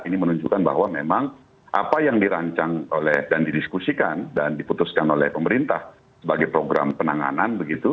ini menunjukkan bahwa memang apa yang dirancang oleh dan didiskusikan dan diputuskan oleh pemerintah sebagai program penanganan begitu